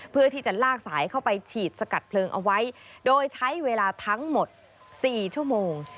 เพื่อที่จะลากสายเข้าไปฉีดสกัดเพลิงเอาไว้โดยใช้เวลาทั้งหมด๔ชั่วโมง